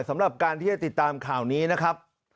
สำหรับการที่จะติดตามข่าวนี้นะครับ